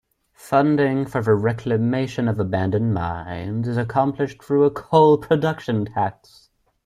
Funding for the reclamation of abandoned mines is accomplished through a coal production tax.